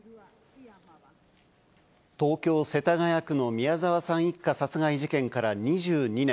東京・世田谷区の宮沢さん一家殺害事件から２２年。